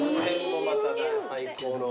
また最高の。